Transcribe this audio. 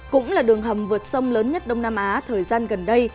cũng là đường hầm vượt sông lớn nhất đông nam á thời gian gần đây